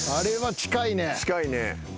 近いね。